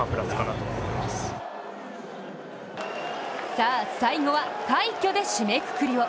さあ、最後は快挙で締めくくりを！